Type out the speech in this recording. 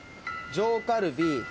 上カルビ。